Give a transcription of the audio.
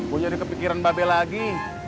gue jadi kepikiran babi lagi